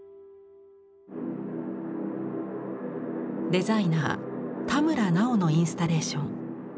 デザイナー田村奈穂のインスタレーション。